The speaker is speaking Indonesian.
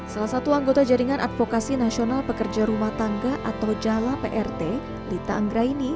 salah satu anggota jaringan advokasi nasional pekerja rumah tangga atau jala prt lita anggraini